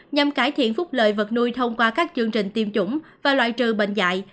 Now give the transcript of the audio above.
nhằm cải thiện phúc lợi vật nuôi thông qua các chương trình tiêm chủng và loại trừ bệnh dạy